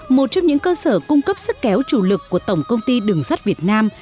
một trong những cơ sở cung cấp sức kéo chủ lực của tổng công ty đường sắt việt nam